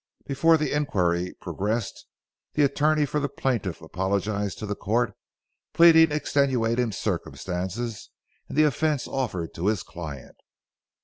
Before the inquiry progressed, the attorney for the plaintiff apologized to the court, pleading extenuating circumstances in the offense offered to his client.